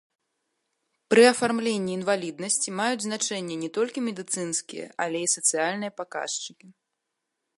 Пры афармленні інваліднасці маюць значэнне не толькі медыцынскія, але і сацыяльныя паказчыкі.